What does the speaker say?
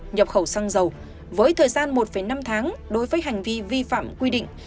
nhập khẩu xăng dầu với thời gian một năm tháng đối với hành vi vi phạm quy định